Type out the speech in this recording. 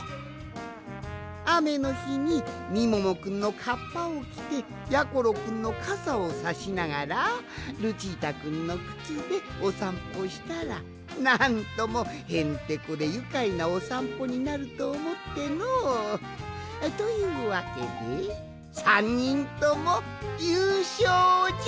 あめのひにみももくんのかっぱをきてやころくんのかさをさしながらルチータくんのくつでおさんぽしたらなんともへんてこでゆかいなおさんぽになるとおもっての。というわけで３にんともゆうしょうじゃ！